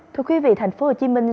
thưa quý vị thành phố hồ chí minh